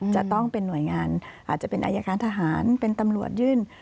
จะต้องเป็นหน่วยงานอาจจะเป็นอายการทหารเป็นตำรวจยื่น